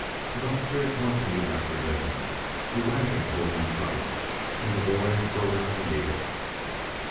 About three o'clock in the afternoon the wagon hove in sight, and the boys rode out to meet it.